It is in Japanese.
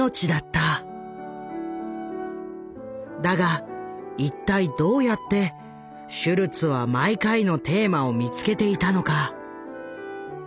だが一体どうやってシュルツは毎回のテーマを見つけていたのか？